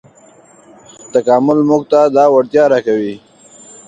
تکامل موږ ته دا وړتیا راکوي.